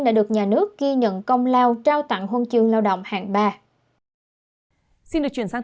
đã được nhà nước ghi nhận công lao trao tặng huân chương lao động hạng ba